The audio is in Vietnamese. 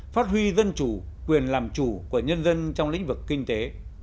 phát huy dân chủ quyền làm chủ của nhân dân trong lĩnh vực kinh tế